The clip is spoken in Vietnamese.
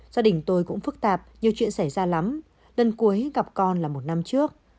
gia đình tôi cũng phức tạp nhiều chuyện xảy ra lắm lần cuối gặp con là một năm trước